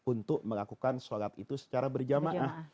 untuk melakukan sholat itu secara berjamaah